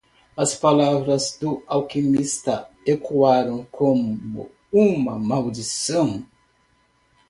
As palavras do alquimista ecoaram como uma maldição.